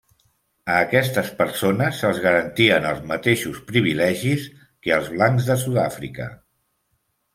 A aquestes persones se'ls garantien els mateixos privilegis que als blancs de Sud-àfrica.